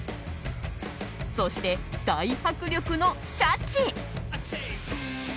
そして大迫力のシャチ。